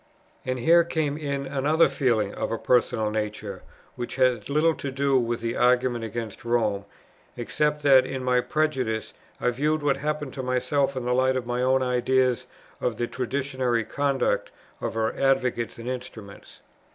And here came in another feeling, of a personal nature, which had little to do with the argument against Rome, except that, in my prejudice, I viewed what happened to myself in the light of my own ideas of the traditionary conduct of her advocates and instruments.